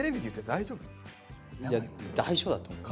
いや大丈夫だと思います。